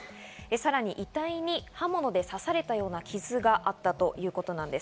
さらに遺体に刃物で刺されたような傷があったということです。